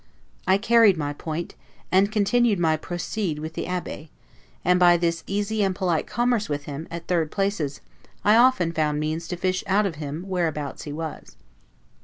I carried my point, and continued my 'procede' with the Abbe; and by this easy and polite commerce with him, at third places, I often found means to fish out from him whereabouts he was.